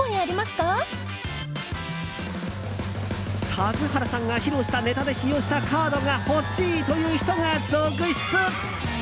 田津原さんが披露したネタで使用したカードが欲しいという人が続出！